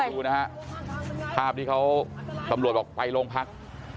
เพราะว่าต้องเข้าไปที่โรงพัก